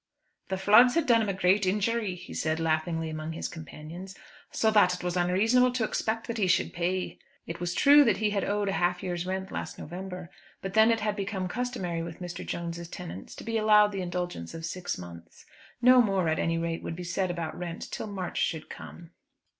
"The floods had done him a great injury," he said laughingly among his companions, "so that it was unreasonable to expect that he should pay." It was true he had owed a half year's rent last November; but then it had become customary with Mr. Jones's tenants to be allowed the indulgence of six months. No more at any rate would be said about rent till March should come.